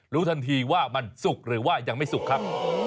รู้ทันทีว่ามันสุกหรือว่ายังไม่สุกครับ